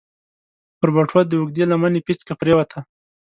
پر بټوه د اوږدې لمنې پيڅکه پرېوته.